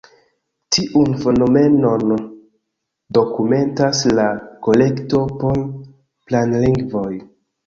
Tiun fenomenon dokumentas la Kolekto por Planlingvoj.